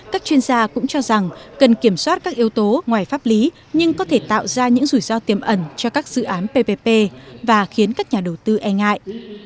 các chuyên gia cũng cho rằng cần kiểm soát các yếu tố ngoài pháp lý nhưng có thể tạo ra những rủi ro tiềm ẩn cho các dự án ppp và khiến các nhà đầu tư e ngại